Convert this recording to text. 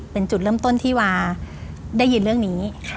เป็นจุดเริ่มต้นที่วาได้ยินเรื่องนี้